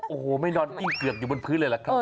โอ้โหไม่นอนกิ้งเกือกอยู่บนพื้นเลยแหละครับ